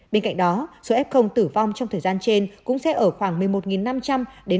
bên cạnh đó số f tử vong trong thời gian trên cũng sẽ ở khoảng một mươi một năm trăm linh hai mươi sáu ca